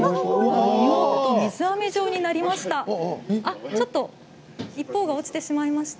水あめ状になりました。